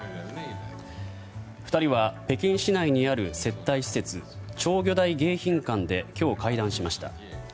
２人は北京市内にある接待施設釣魚台迎賓館で今日、会談しました。